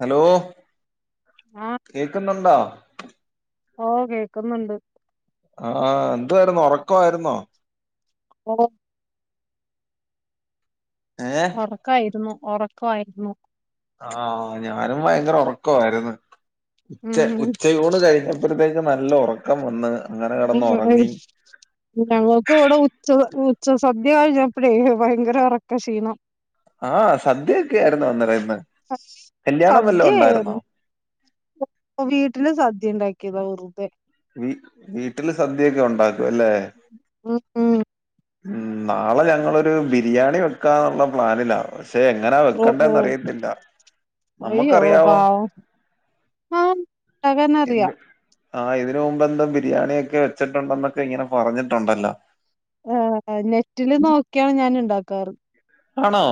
Hello ആഹ് കേക്കുന്നുണ്ടോ? ഓഹ് കേക്കുന്നുണ്ട് ആഹ് എന്തുവായിരുന്നു ഒറക്കവായിരുന്നൊ? ഓഹ് ഏഹ് റക്കായിരുന്നു ഒറക്കായിരുന്നു ആഹ് ഞാനും ഭയങ്കര ഒറക്കവായിരുന്നു ഉച്ച ഉം ഉച്ചയൂണ് കഴിഞ്ഞ അപ്പഴ്ത്തേക്ക് നല്ല ഒറക്കംവന്ന് അങ്ങനെ കെടന്ന് ഒറങ്ങി ഞങ്ങൾക്ക് ഇവിടെ ഉച്ച ഉച്ച സദ്യ കഴിഞ പ്പഴേ ഭയങ്കര ഇറക്ക ക്ഷീണം ആഹ് സദ്യക്കെ ആയിരുന്നോ ഇന്നലെ ഇന്ന് കല്യാണം വല്ലോം ഉണ്ടായിരുന്നോ സദ്യയേര്ന്നു വീട്ടില് സദ്യണ്ടാക്കിയതാ വെർതെ വീട്ടില് സദ്യ ക്കെ ഉണ്ടാക്കും അല്ലേ? ഉം ഉം നാളെ ഞങ്ങളൊരു ബിരിയാണി വെക്കാന്നുള്ള പ്ലാനിലാ പക്ഷെ എങ്ങനാ ഓ ഓ വെക്കണ്ടെന്നറിയത്തില്ല അയ്യോ നമ്മുക്കറിയാവോ? പാവം ആഹ് ണ്ടാക്കാനറിയാം ആഹ് ഇതിന് മുമ്പെന്തോ ബിരിയാണിയൊക്കെ വെച്ചിട്ടുണ്ടെന്നൊക്കെ ഇങ്ങനെ പറഞ്ഞിട്ടുണ്ടല്ലോ ആഹ് നെറ്റില് നോക്കിയാണ് ഞാനിണ്ടാക്കാറ് ആണോ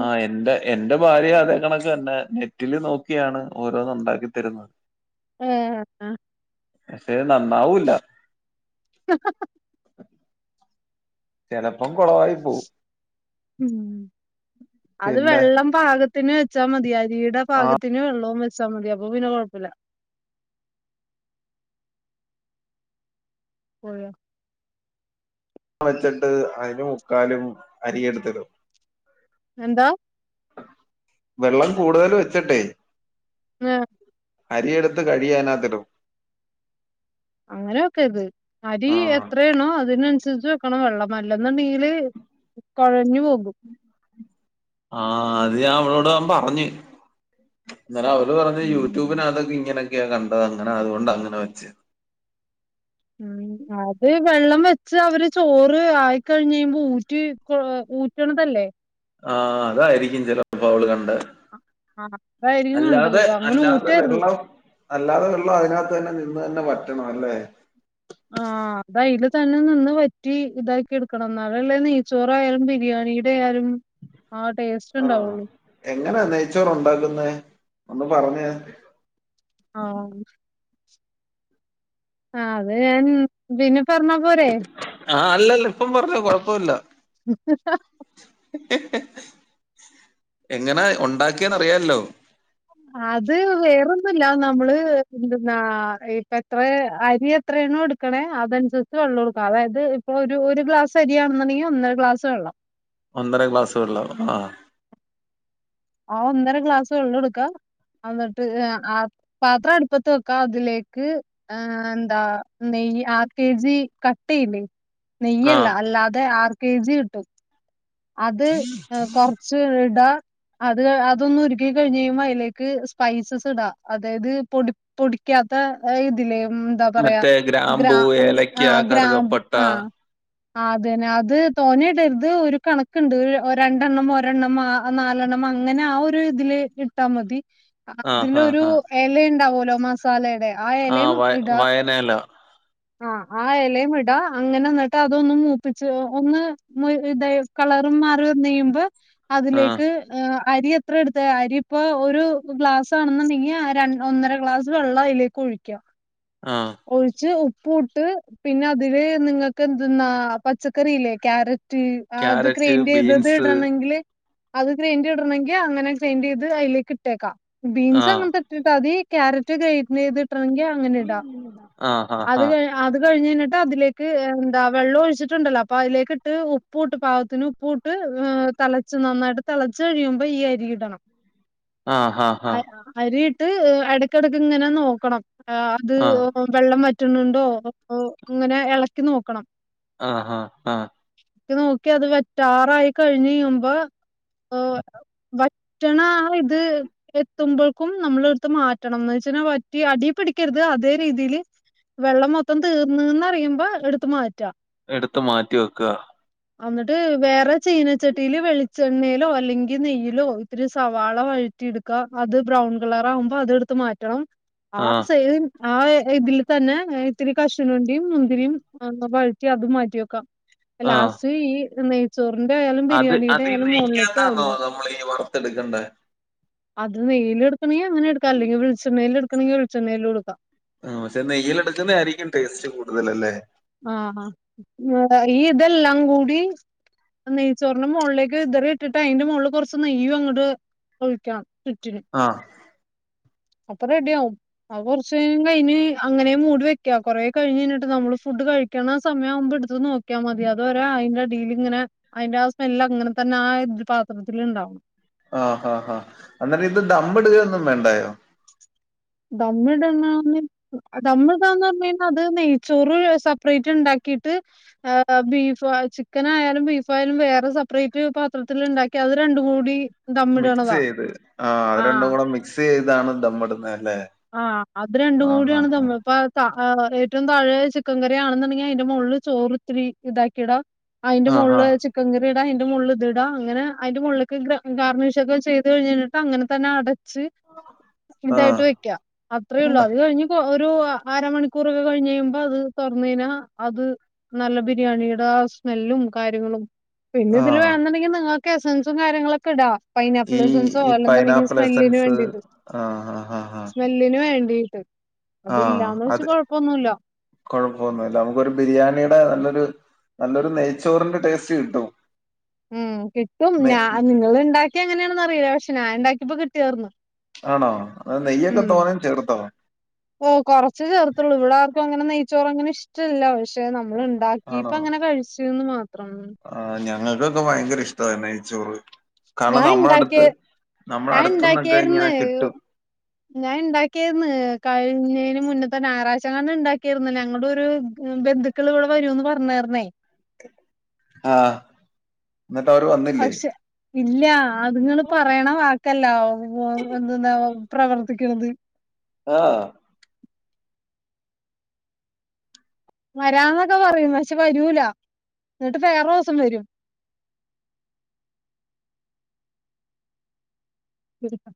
ആഹ്എന്റെ എന്റെ ഭാര്യ അതെ കണക്ക്തന്നെ നെറ്റില് നോക്കിയാണ് ഓരോന്നുണ്ടാക്കിത്തരുന്നത് ആഹ് അ പക്ഷെ നന്നാവൂല്ല ചെലപ്പം കൊളവായി പോവും ഉം അത് പിന്നെ വെള്ളം പാകത്തിന് വെച്ചാ മതി അരീ ടെ ആ പാകത്തി ത്തിന് വെള്ളോം വെച്ചാ മതി അപ്പൊ പിന്നെ കൊഴപ്പല്ല പോയോ ള്ളം വെച്ചിട്ട് അയ്ല് മുക്കാലും അരിയെടുത്തിടും എന്താ? വെള്ളം കൂടുതൽ വെച്ചിട്ടെ ന്നേ അരിയെടുത്ത് കഴിയാനാത്തി ടും അങ്ങനെയൊക്കെര്ത് അരി ആഹ് എത്രേണോ അതിനനുസരിച്ച് വെക്കണം വെള്ളം അല്ലെന്നുണ്ടെങ്കില് കൊഴഞ്ഞ് പോകും ആഹ് അത് ഞാൻ അവളോടാം പറഞ്ഞ് ങ്ങനെ അവര് പറഞ്ഞ് ഉം യൂട്യൂബിനകതൊക്കെ ഇങ്ങനെയൊക്കെ കണ്ടത് അങ്ങനായതുകൊണ്ട് അങ്ങന വെച്ചെന്ന് [inaudible] അത് വെള്ളം വെച്ച് അവര് ചോറ് ആയിക്കഴിഞ്ഞയ്യുമ്പോ ഊറ്റി ഊറ്റണതല്ലേ ആഹ് അതായിരിക്കും ചെലപ്പോ അവള് കണ്ടെ ആ അതായിരിക്കും വേണ്ടത് അല്ലാതെ അങ്ങനെ അല്ലാതെ ഊറ്റരുത് വെള്ളം അല്ലാതെ വെള്ളം അതിനകത്തന്നെ നിന്ന്തന്നെ വറ്റണം ല്ലേ ആഹ് അത് അയ്ല് തന്നെ നിന്ന് വറ്റി ഇതാക്കി എടുക്കണം എന്നാലല്ലേ നെയ്ച്ചോറായാലും ബിരിയാണി ആയാലും ആ ആഹ് ടേസ്റ്റ്ണ്ടാവുള്ളൂ എങ്ങനാ നെയ്ച്ചോറുണ്ടാക്കുന്നെ ഒന്ന് പറഞ്ഞെ ആഹ് ആഹ് അത് ഞാൻ ബിന്നെ പർഞ്ഞാ പോരെ? ആഹ് അല്ലല്ല ഇപ്പം പറഞ്ഞോ കൊഴപ്പല്ല. അഹ്. എങ്ങനെ ഉണ്ടാക്കിയ അറിയാല്ലോ. അത് വേറൊന്നുഅല്ല നമ്മള് എന്തെന്നാ ഇപ്പത്ര അരിയ എത്ര എണ്ണം എടുക്കണേ അതനുസരിച്ച് വെള്ളം എടുക്ക അതായത് ഇപ്പോൾ ഒരു ഗ്ലാസ് അരിയാണെന്നുണ്ടെങ്കി ഒന്നര ഗ്ലാസ് വെള്ളം. ഒന്നര ഗ്ലാസ് വെള്ളോ ആഹ്. ആ ഒന്നര ക്ലാസ് വെള്ളോടുക്കാ ഇന്നിട്ട് ആഹ്. പാത്ര അടുപ്പത്ത് വെക്കാ അതിലേക്ക്. ആഹ് എന്താ നെയ്യ് ആറ് കെ ജി കട്ടയില്ലേ. നെയ്യല്ല ആഹ് അല്ലാതെ ആറ് കെ ജി കിട്ടും. അത് കൊറച്ച് ഇടാ. അത് അതൊന്ന് ഉരുക്കി കഴിഞ് കഴിയുമ്പോ അതിലേക്ക് സ്പൈസസ് ഇടാ അതായത് പൊടി. പൊടിക്കാത്ത ഇതില്ലേ ഉം. എന്താ പറയാ മറ്റേ ഗ്ര ഗ്രാമ്പൂ ഏലക്ക ആഹ് ഗ്രാമ്പു കറുകപ്പട്ട ആഹ്. ആഹ് അതന്നെ അത് തോനയിടരുത് ഒരു. കണക്ണ്ട് ഒര് രണ്ടെണ്ണം ഒരെണ്ണം ആഹ് നാലെണ്ണം അങ്ങനെ ആഹ് ഒരു ഇതില് ഇട്ടാ മതി. ആഹ് ആഹ് അതിലൊരു ആഹ് എലയുണ്ടാവോലോ മസാലെടെ. ആഹ് വയ വയനേലോ. ആഹ് ആ എലേം വിടാ അങ്ങനെന്നിട്ട് അതൊന്ന് മൂപ്പിച്ച് ഒന്ന് മു ഇത കളറും മാറി ആഹ് വന്നീടുമ്പഅതിലേക്ക്. അരി എത്രേ എടുത്ത് അരി ഇപ്പോ ഒരു ഗ്ലാസ് ആണെന്നുണ്ടെങ്കി അര ഒന്നര ഗ്ലാസ്. വെള്ള അയിലേക്ക് ഒഴിക്ക. ആഹ്. ഒഴിച്ച് ഉപ്പുട്ട് പിന്നെ അതില് നിങ്ങൾക്ക് എന്തെന്നാ പച്ചക്കറില്ലേ ക്യാരറ്റ്. ആഹ് അത് ക്യാരറ്റ് ക്രയിന്റീതത് ബീൻസ് ഇടണെങ്കില്. അത് ഗ്രൈൻഡ് ഇടണെങ്കി അങ്ങനെ ഗ്രൈൻടീത് അയിലേക്ക് ഇട്ടേക്കാം ബീൻസ് ആഹ് അങ്ങനത്തെ. റ്റിട്ട് അതി ക്യാരറ്റ് ഗ്രേറ്റയ്തിട്ടണങ്കി അങ്ങനെ ഇടാം ആഹ് അത് ക ആഹ് അത് കഴിഞ്ഞ് കഴിഞ്ഞിട്ട് അതിലേക്ക് എന്താ വെള്ളം ഒഴിച്ചിട്ടുണ്ടല്ലോ അപ്പ അയിലേക്ക് ഇട്ട്ഉ ഇപൂട്ട് പാവത്തിന് ഉപ്പൂട്ട് തളച് നന്നായിട്ട് തളച്ചഴിയുമ്പോ ഈ അരിഇടണം. ആഹ് ആഹ് ആഹ് അരി ആഹ് അരിയിട്ട് എടക്കടക്ക്ങ്ങനെ നോക്കണം അത് ആഹ്. വെള്ളം വറ്റുന്നുണ്ടോ അങ്ങനെ എളക്കി നോക്കണം. ആഹ് ആഹ് ആഹ്. ഇട്ട് നോക്കി അത് വെറ്റാറായി കഴിഞ്ഞഞ്യുമ്പോ ആഹ്. വറ്റണ ആഹ് ഇത്. എത്തുമ്പൾക്കും നമ്മളെടുത്ത് മാറ്റണംന്ന് ന്ന്വെച്ചാൽ പറ്റി അടി പിടിക്കരുത് അതേ രീതീല്. വെള്ളം മൊത്തം തീർന്ന്ന്നറിയുമ്പോ എടുത്ത് മാറ്റാ. എടുത്ത് മാറ്റി വെക്ക. ഇന്നിട്ട് വേറെ ചീനച്ചട്ടില് വെളിച്ചെണ്ണേലോ അല്ലെങ്കി നെയ്യിലോ ഇത്തിരി സവാള വഴറ്റിട് ക്ക് അത് ബ്രൗൺ കളറാവുമ്പോ അതെടുത്ത് മാറ്റണം ആഹ് സയിം. ആഹ് ഇതില് തന്നെ ഇത്തിരി കശു വണ്ടിയും മുന്തിരിയും വഴറ്റി അതും മാറ്റി വെക്കാം. ആഹ് ലാസ്റ്റ് ഈ നെയ്ച്ചോറിന്റെ ആയാലും ബിരിയാണിടെ ആയാലും മുകളിലേക്ക് ആവില്ല. നമ്മള് ഈ വറർത്തെടുക്കണ്ടേ? അത് നെയില്ടുക്കെണങ്കി അങ്ങനെ എടുക്ക അല്ലെങ്കി വെളിച്ചെണ്ണേല് എടുക്കണെങ്കി വെളിച്ചണേലുട്ക്കാ. ആഹ് പക്ഷെ നെയ്യിലെടുക്കുന്ന ആയിരിക്കും ടേസ്റ്റ് കൂടുതലല്ലേ. ആഹ് ഈതെല്ലാം കൂടി. നെയ്ചോറിന്റെ മോളിലേക്ക് ഇതറി ഇട്ടിട്ട് അയിന്റെ മോളില് കൊറച്ച് നെയ്യും അങ്ങട്ട്. ഒഴിക്കണം ചുറ്റിന്. ആഹ്. അപ്പൊ റെഡ്യാവും. അവു കൊറചേരം കഴിഞ് അങ്ങനെ മൂടി വെക്കാം കൊറെ കഴിഞഴിഞ്ഞിട്ട് നമ്മള് ഫുഡ് കഴി സമയം ആവുമ്പോ എടുത്ത് നോക്കിയാ മതി അതോരോ അതിന്റെ അടിയിൽ ഇങ്ങനെ അതിന്റെ ആ സ്മെല്ല് അങ്ങനെ തന്നെ ആ പാത്രത്തിൽ ഉണ്ടാവണം ആ ഹാ ഹാ എന്നിട്ട് ഇത് ദമ്മിടുകൊന്നും വേണ്ടായോ ദമ്മിടണാന്ന് ദമ്മ് ഇടാന്ന് പറഞ്ഞ് കഴിഞ്ഞാൽ അത് നെയ്ച്ചോറ് സെപ്പറേറ്റ് ഉണ്ടാക്കിട്ട് ആ ബീഫ് ചിക്കൻ ആയാലും ബീഫായാലും വേറെ സെപ്പറേറ്റ് പാത്രത്തിൽ ഉണ്ടാക്കി അത് രണ്ടും കൂടി മിക്സ് ദമ്മിടണതാ ചെയ്ത് ആ അത് ആഹ് രണ്ടും കൂടെ മിക്സ് ചെയ്താണ് ദമ്മിടുന്നത് അല്ലേ ആഹ് അത് രണ്ടും ആ ആ കൂടിയാണ് ആ ദമ്മ് ഇടുന്നത് ഇപ്പ ഏറ്റവും താഴെ ചിക്കൻ കറി ആണെന്നുണ്ടെങ്കിൽ അതിന്റെ മുകളിൽ ചോറിത്തിരി ഇതാക്കിടാ അതിന്റെ ആ മോളില് ആ ചിക്കങ്കറി ഇടാ അതിന്റെ മുകളിൽ ഇത് ഇടാ അങ്ങനെ അതിന്റെ മുകൾക്ക് ഗാർവിശൊക്കെ ചെയ്ത് കഴിഞ്ഞിട്ട് അങ്ങനെ തന്നെ അടച്ച് ആ ഇതായിട്ട് വെക്കാ അത്രേള്ളു അത് കഴിഞ്ഞ് ഒരു അരമണിക്കൂറൊക്കെ കഴിഞ്ഞ് കഴിയുമ്പോ അത് തുറന്നുകയിഞ്ഞാ അത് നല്ല ബിരിയാണിയുടെ ആ സ്മെല്ലും കാര്യങ്ങളും പിന്നെ ആ ഇതില് വേണന്നുണ്ടെങ്കിൽ നിങ്ങൾക്ക് എസൻസും കാര്യങ്ങളൊക്കെ ഇടാ പൈനാപ്പിൾ ഈ എസ്സൻസോ അല്ലാന്നുണ്ടെങ്കിൽ സ്മെല്ലിന് വേണ്ടിട്ട് ആഹ് ആഹ് ആ സ്മെല്ലിന് വേണ്ടീട്ട് അതില്ലാന്ന് വെച്ച് കൊഴപ്പൊന്നുമില്ല കുഴപ്പമൊന്നുമില്ല നമുക്കൊരു ബിരിയാണിയുടെ നല്ലൊരു നല്ലൊരു നെയ്ച്ചോറിന്റെ ടേസ്റ്റ് കിട്ടും ഉം കിട്ടും നെയ് ഞാ നിങ്ങൾ ഉണ്ടാക്കിയപ്പൊ എങ്ങനെയാണെന്ന് അറിയില്ല പക്ഷെ ഞാൻ ഉണ്ടാക്കിയപ്പോ കിട്ടിയാർന്ന് ആണോ ആ നെയ്യൊക്കെ തോനേം ചേർത്തോ ഓ കുറച്ച് ചേർത്തുള്ളൂ ഇവിടെ ആർക്കും അങ്ങനെ നെയ്ച്ചോറ് അങ്ങനെ ഇഷ്ടമല്ല പക്ഷെ നമ്മള് ഉണ്ടാക്കിയപ്പ അങ്ങനെ കഴിച്ചൂന്ന് മാത്രം ആഹ് ഞങ്ങൾക്കൊക്കെ ഭയങ്കര ഇഷ്ടാ നെയ്ച്ചോറ് കാരണം ഞാൻ ഇണ്ടാക്കിയ നമ്മളടുത്ത് നമ്മളെ ഞാൻ അടുത്തന്നൊക്കെ ഇണ്ടാക്കിയാര്ന്ന് ഇങ്ങനെ കിട്ടും ഞാൻ ഉണ്ടാക്കിയിരുന്നു കഴിഞ്ഞതിന് മുന്നത്തെ ഞായറാഴ്ച ഉണ്ടാക്കിര്ന്ന് ഞങ്ങളൊരു ബന്ധു മക്കൾ കൂടെ വരോന്ന് പറഞ്ഞായിര്ന്നേ ആഹ് എന്നിട്ട് അവർ വന്ന പക്ഷെ ഇല്ല അത്ങ്ങൾ പറയണ വാക്ക് [unintelligible] എന്തന്നാ പ്രവർത്തിക്കുന്നത് ആഹ് വരാന്നൊക്കെ പറയും പക്ഷെ വരൂല എന്നിട്ട് വേറെ ദിവസം വരും ശരിയാ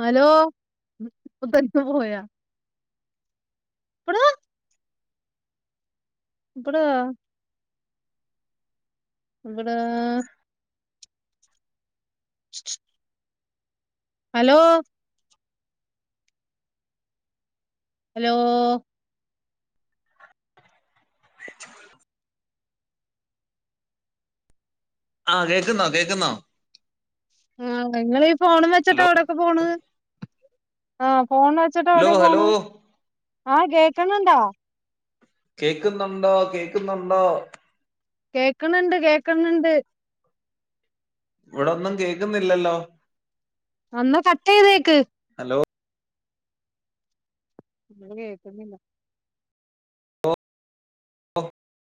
ഹലോ ഇപ്പ ഇത് പോയാ ഇപ്പടാ ഇപ്പടാ ഇവിടാ ശു ശു ഹലോ ഹലോ ആ കേക്കുന്നോ കേൾക്കുന്നോ ആ നിങ്ങളീ ഫോൺ വെച്ചിട്ടെ ഹലോ വിടെക്കെ പോണ് ആ ഫോൺ ഹലോ വെച്ചിട്ടെവിടെ ഹലോ പോണ് ആ കേക്കണണ്ടോ കേക്കുന്നുണ്ടോ കേക്കുന്നുണ്ടോ കേക്ണ് ണ്ട് കേക്കുന്നുണ്ട് ഇവിടൊന്നും കേക്കുന്നില്ലല്ലോ ഒന്ന് കട്ട് ചെയ്തേക്ക് ഹലോ ഒന്നും കേക്കുന്നില്ല [unintelligible]